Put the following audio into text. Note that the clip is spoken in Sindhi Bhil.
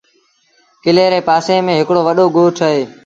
ڪلي ري پآسي ميݩ هڪڙو وڏو ڳوٺ اهي۔